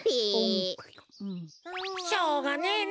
しょうがねえな。